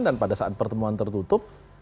dan pada saat pertemuan tertutup